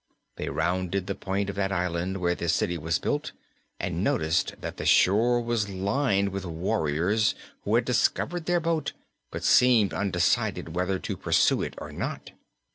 They rounded the point of that island where the city was built and noticed that the shore was lined with warriors who had discovered their boat but seemed undecided whether to pursue it or not.